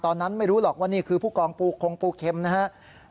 ตอนนั้นไม่รู้หรอกว่านี่คือผู้กองปูคงปูเข็มนะครับ